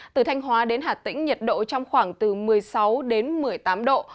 từ thanh hóa đến hà tĩnh nhiệt độ trong khoảng từ một mươi sáu đến một mươi tám độ